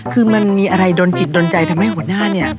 คือมันมีอะไรโดนจิตโดนใจทำให้หัวหน้าเนี่ย